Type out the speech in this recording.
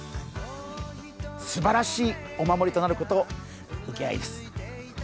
すばらしいお守りとなること、請け合いです。